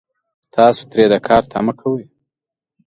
تاسو ترې د کار تمه کوئ